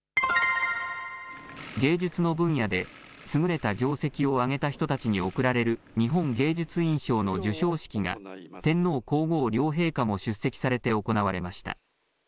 芸術の分野で優れた業績をあげた人たちに贈られる日本芸術院賞の授賞式が、天皇皇后両陛下も出席されて行われました。